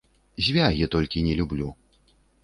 Звягі толькі не люблю.